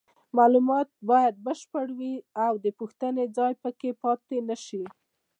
معلومات باید بشپړ وي او د پوښتنې ځای پکې پاتې نشي.